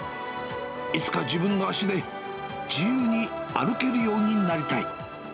いつか自分の足で自由に歩けるようになりたい。